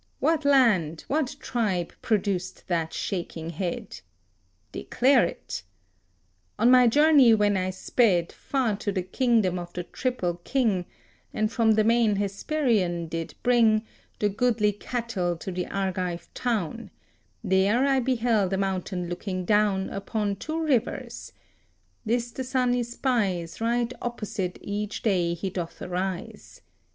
What land, what tribe produced that shaking head? Declare it! On my journey when I sped Far to the Kingdom of the triple King, And from the Main Hesperian did bring The goodly cattle to the Argive town, There I beheld a mountain looking down Upon two rivers: this the Sun espies Right opposite each day he doth arise.